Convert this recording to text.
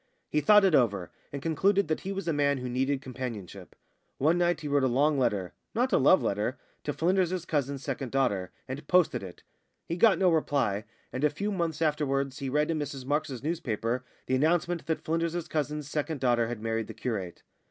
He thought it over, and concluded that he was a man who needed companionship. One night he wrote a long letter not a love letter to Flynders's cousin's second daughter, and posted it; he got no reply, and a few months afterwards he read in Mrs Marks's newspaper the announcement that Flynders's cousin's second daughter had married the curate.